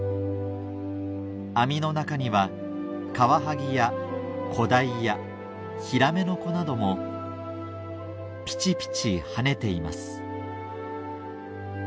網の中にはカワハギや子鯛やヒラメの子などもピチピチ跳ねています」